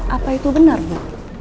apa itu benar bu